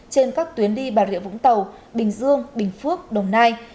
trên các tuyến đi bà rịa vũng tàu bình dương bình phước đồng nai